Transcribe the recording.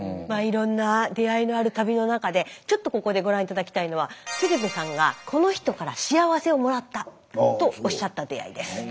まあいろんな出会いのある旅の中でちょっとここでご覧頂きたいのは鶴瓶さんがこの人から幸せをもらったとおっしゃった出会いです。